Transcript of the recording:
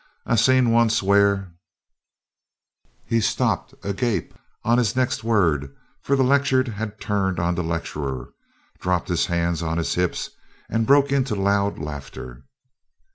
I seen once where " He stopped, agape on his next word, for the lectured had turned on the lecturer, dropped his hands on his hips, and broke into loud laughter.